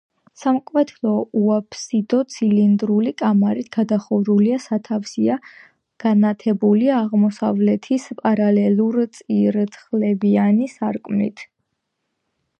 სამკვეთლო უაფსიდო, ცილინდრული კამარით გადახურული სათავსია, განათებულია აღმოსავლეთის პარალელურწირთხლებიანი სარკმლით.